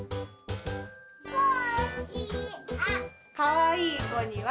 かわいいこには。